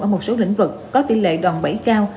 ở một số lĩnh vực có tỷ lệ đòn bẫy cao